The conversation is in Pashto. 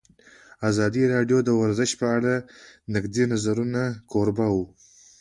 ازادي راډیو د ورزش په اړه د نقدي نظرونو کوربه وه.